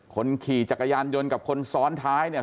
คนขี่จักรยานยนต์กับคนซ้อนท้ายเนี่ย